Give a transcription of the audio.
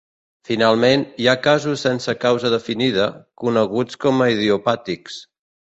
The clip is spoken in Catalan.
Finalment, hi ha casos sense causa definida, coneguts com a idiopàtics.